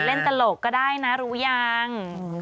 เล่นตลกก็ได้นะรู้อย่าง